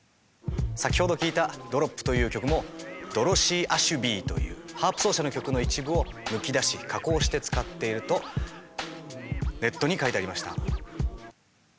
先ほど聴いた「Ｄｒｏｐ」という曲もドロシー・アシュビーというハープ奏者の曲の一部を抜き出し加工して使っているとネットに書いてありました。